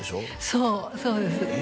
そうそうです